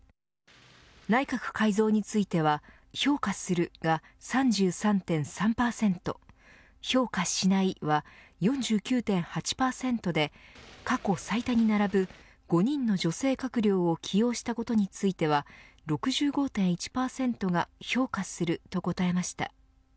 内閣改造については評価するが３３．３％評価しないは４９．８％で過去最多に並ぶ５人の女性閣僚を起用したことについては６５．１％が評価すると答えました。